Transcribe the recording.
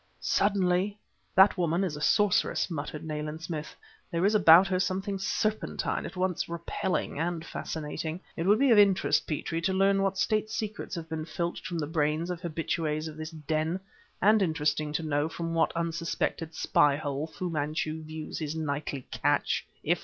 Suddenly "That woman is a sorceress!" muttered Nayland Smith. "There is about her something serpentine, at once repelling and fascinating. It would be of interest, Petrie, to learn what State secrets have been filched from the brains of habitues of this den, and interesting to know from what unsuspected spy hole Fu Manchu views his nightly catch. If